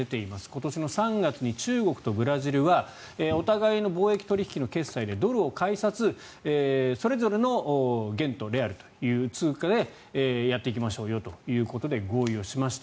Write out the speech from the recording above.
今年の３月に中国とブラジルはお互いの貿易取引の決済でドルを介さず、それぞれの元とレアルという通貨でやっていきましょうよということで合意しました。